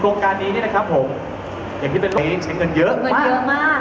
กองการนี้นะครับพี่กิฟต์เป็นลูกเนทเพราะเงินเยอะมาก